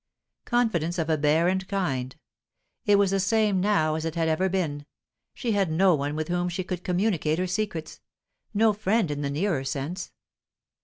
Confidence of a barren kind. It was the same now as it had ever been; she had no one with whom she could communicate her secrets, no friend in the nearer sense.